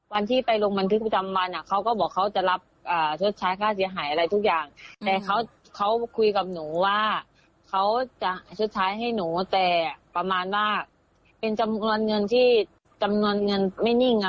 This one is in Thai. วันที่ไปโรงบันทึกจำวันอะ